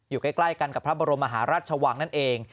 อยู่ใกล้กันกับพระบรมมหาราชวังนั่นเอง